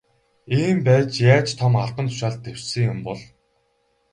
Ийм байж яаж том албан тушаалд дэвшсэн юм бол.